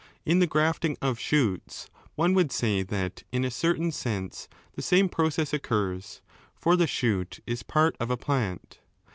In the grafting of shoots, one would say that in a certain sense this same process occurs, for the shoot is part of a plant.